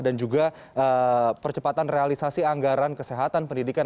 dan juga percepatan realisasi anggaran kesehatan pendidikan